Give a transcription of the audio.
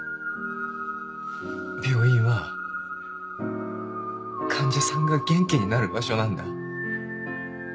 病院は患者さんが元気になる場所なんだ。